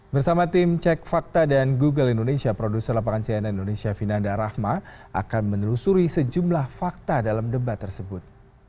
bersama tim cek fakta dan google indonesia produser lapangan cnn indonesia vinanda rahma akan menelusuri sejumlah fakta dalam debat tersebut